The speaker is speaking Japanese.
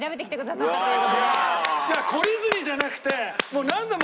いや懲りずにじゃなくてもう何度も。